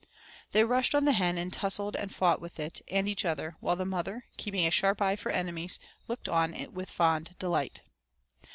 They rushed on the hen, and tussled and fought with it, and each other, while the mother, keeping a sharp eye for enemies, looked on with fond delight.